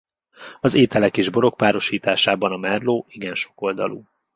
Az ételek és borok párosításában a merlot igen sokoldalú.